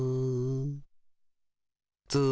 ツー。